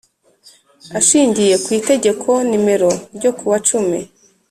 Ashingiye ku Itegeko nimero ryo kuwa cumi